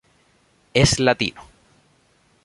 Es latino.